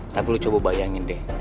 tapi lu coba bayangin deh